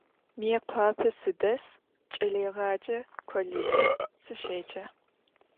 Mıêkhuape sıdes, ç'eleêğece kollêcım sışêce.